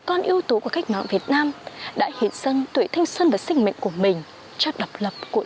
con ưu tú của khách mạng việt nam đã hiện dân tuổi thanh xuân và sinh mệnh của mình cho độc lập của